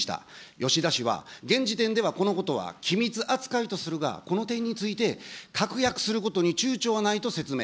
吉田氏は現時点ではこのことは機密扱いとするが、この点について、確約することにちゅうちょはないと説明。